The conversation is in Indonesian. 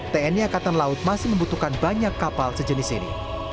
tni angkatan laut masih membutuhkan banyak kapal sejenis ini